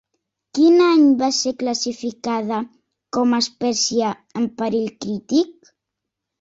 Quin any va ser classificada com a espècie en perill crític?